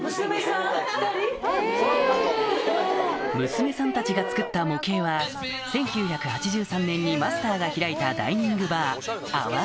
娘さんたちが作った模型は１９８３年にマスターが開いたダイニング・バー